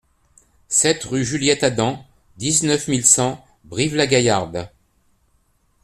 sept rue Juliette Adam, dix-neuf mille cent Brive-la-Gaillarde